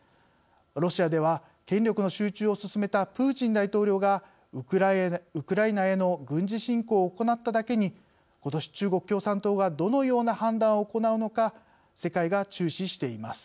ロシアでは権力の集中を進めたプーチン大統領がウクライナへの軍事侵攻を行っただけにことし中国共産党がどのような判断を行うのか世界が注視しています。